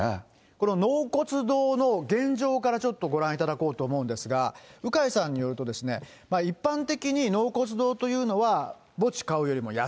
この納骨堂の現状からちょっとご覧いただこうと思うんですが、鵜飼さんによると、一般的に納骨堂というのは、墓地買うよりも安